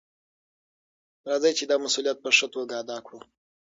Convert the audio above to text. راځئ چې دا مسؤلیت په ښه توګه ادا کړو.